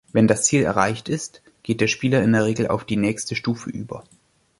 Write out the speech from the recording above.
Wenn das Ziel erreicht ist, geht der Spieler in der Regel auf die nächste Stufe über.